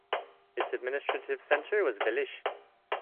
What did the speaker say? Its administrative centre was Velizh.